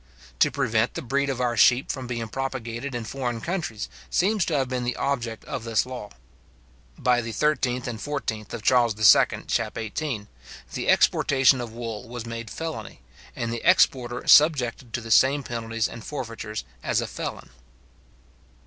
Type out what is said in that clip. To prevent the breed of our sheep from being propagated in foreign countries, seems to have been the object of this law. By the 13th and 14th of Charles II. chap. 18, the exportation of wool was made felony, and the exporter subjected to the same penalties and forfeitures as a felon.